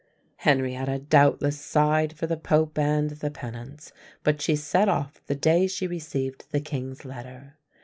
Henrietta doubtless sighed for the Pope and the penance, but she set off the day she received the king's letter.